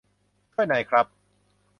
ช่วยหน่อยครับ